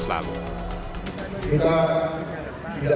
kita tidak boleh kalah